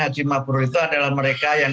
haji mabrur itu adalah mereka yang